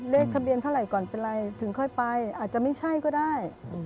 เลขทะเบียนเท่าไหร่ก่อนเป็นไรถึงค่อยไปอาจจะไม่ใช่ก็ได้